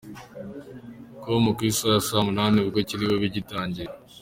com ku isaha ya saa munani ubwo kiri bube gitangiye.